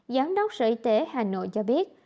giám đốc sở y tế hà nội cho biết